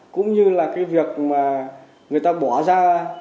cũng như là việc người ta bỏ ra